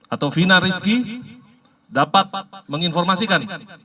atau vina rizky dapat menginformasikan